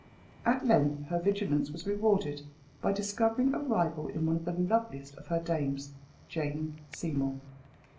At length her vigilance was rewarded by discovering a rival in one of the loveliest of her dames, Jane Seymour.